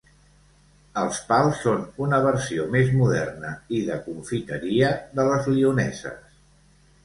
Els pals són una versió més moderna i de confiteria de les lioneses.